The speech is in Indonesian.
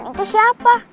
lan itu siapa